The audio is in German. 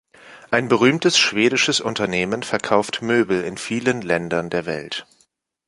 Ein berühmtes schwedisches Unternehmen verkauft Möbel in vielen Ländern der Welt.